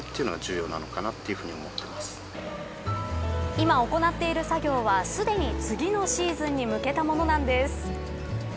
今、行っている作業はすでに次のシーズンに向けたものなんです